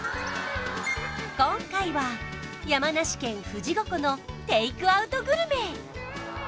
今回は山梨県富士五湖のテイクアウトグルメ！